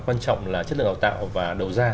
quan trọng là chất lượng đào tạo và đầu ra